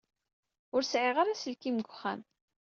Ur sɛiɣ ara aselkim deg wexxam.